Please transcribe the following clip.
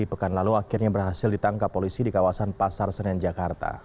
pekan lalu akhirnya berhasil ditangkap polisi di kawasan pasar senen jakarta